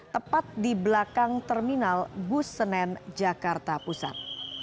tepat di belakang terminal bus senen jakarta pusat